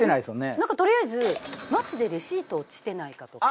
なんかとりあえず街でレシート落ちてないかとか。